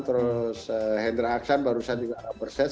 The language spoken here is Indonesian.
terus hendra aksan barusan juga berses